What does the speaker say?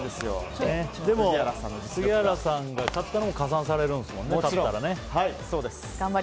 でも、杉原さんが勝っても加算されるんですもんね。